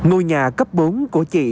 ngôi nhà cấp bốn của chị